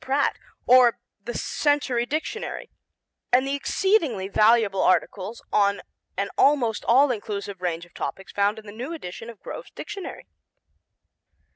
Pratt or the Century Dictionary, and the exceedingly valuable articles on an almost all inclusive range of topics found in the new edition of Grove's Dictionary.